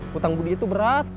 hutang budi itu berat